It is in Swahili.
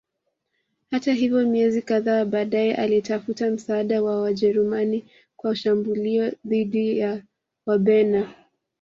Hata hivyo miezi kadhaa baadaye alitafuta msaada wa Wajerumani kwa shambulio dhidi ya Wabena